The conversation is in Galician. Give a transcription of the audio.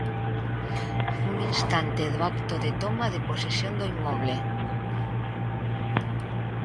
Un instante do acto de toma de posesión do inmoble.